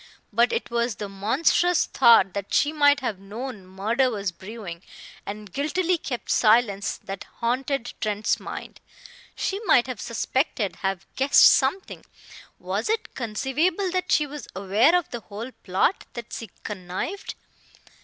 But it was the monstrous thought that she might have known murder was brewing, and guiltily kept silence, that haunted Trent's mind. She might have suspected, have guessed something; was it conceivable that she was aware of the whole plot, that she connived?